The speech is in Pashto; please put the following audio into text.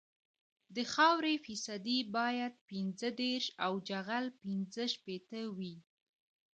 د خاورې فیصدي باید پنځه دېرش او جغل پینځه شپیته وي